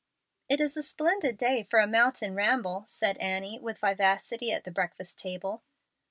"It is a splendid day for a mountain ramble," said Annie, with vivacity, at the breakfast table.